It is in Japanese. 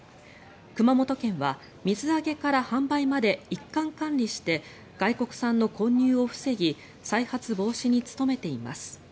熊本県は水揚げから販売まで一貫管理して外国産の混入を防ぎ再発防止に努めています。